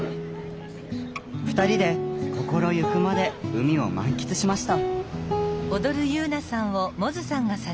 ２人で心ゆくまで海を満喫しました。